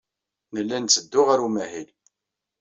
Nella netteddu ɣer umahil.